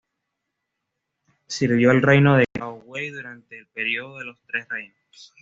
Sirvió al reino de Cao Wei durante el período de los Tres Reinos.